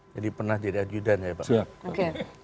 jadi pernah jadi ajudan ya pak